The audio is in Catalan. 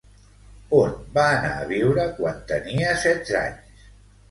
On va anar a viure quan tenia setze anys?